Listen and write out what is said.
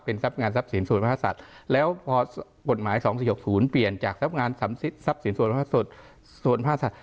เป็นทรัพย์งานทรัพย์สินสวนภาษัทแล้วพอบทหมายสองสี่หกศูนย์เปลี่ยนจากทรัพย์งานทรัพย์สินสวนภาษัท